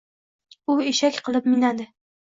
U eshak qilib minadi.